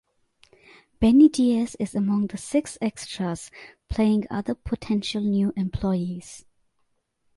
Benni Diez is among the six extras playing other potential new employees.